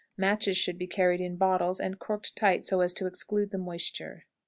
Matches should be carried in bottles and corked tight, so as to exclude the moisture.